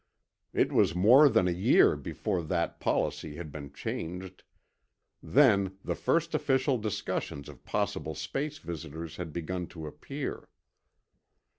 It was more than a year before that policy had been changed; then the first official discussions of possible space visitors had begun to appear.